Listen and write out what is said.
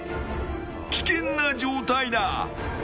危険な状態だ。